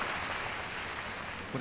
これ。